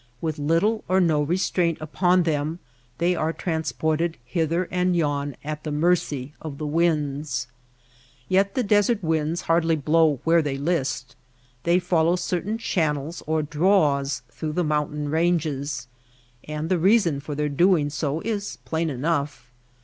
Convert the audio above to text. With little or no restraint upon them they are transported hither and yon at the mercy of the winds. Yet the desert winds hardly blow where they list. They follow certain channels or *' draws '' through the mountain ranges ; and the reason for their doing so is plain enough.